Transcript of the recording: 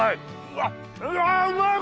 うわうまい！